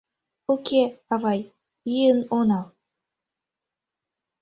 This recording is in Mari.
— Уке, авай, йӱын онал...